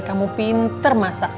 kamu pintar masak